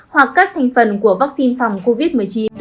hoặc các thành phần của vaccine phòng covid một mươi chín